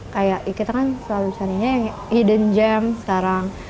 kayak kita kan selalu carinya yang hidden gem sekarang